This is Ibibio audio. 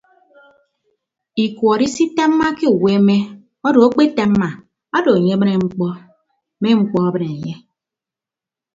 Ikuọt isitammake uweeme odo akpetamma odo enye abịne mkpọ me mkpọ abịne enye.